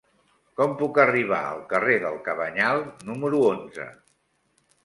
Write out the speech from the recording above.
Com puc arribar al carrer del Cabanyal número onze?